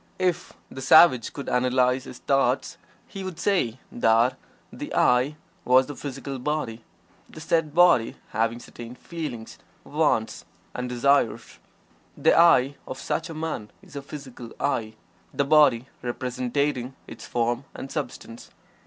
If the savage could analyze his thoughts he would say that the "I" was the physical body, the said body having certain "feelings," "wants" and "desires." The "I" of such a man is a physical "I," the body representing its form and substance.